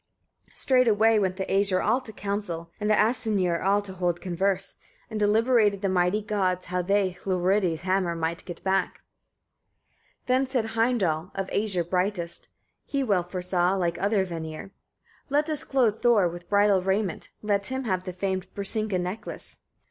Straightway went the Æsir all to council, and the Asyniur all to hold converse; and deliberated the mighty gods, how they Hlorridi's hammer might get back. 16. Then said Heimdall, of Æsir brightest he well foresaw, like other Vanir "Let us clothe Thor with bridal raiment, let him have the famed Brisinga necklace. 17.